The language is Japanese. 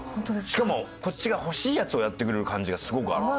しかもこっちが欲しいやつをやってくれる感じがすごくある。